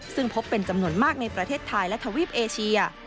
ซึ่งพบเป็นจำนวนมากในประเทศไทยและทวีปเอเชีย